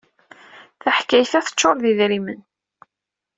Taḥkayt-a teččuṛ d imerjan.